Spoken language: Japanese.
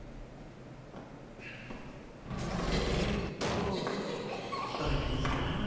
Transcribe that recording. えとどれがいいかなぁ。